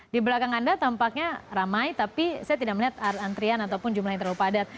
di belakang anda tampaknya ramai tapi saya tidak melihat antrian ataupun jumlah yang terlalu padat